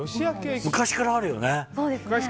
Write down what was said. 昔からあるよね。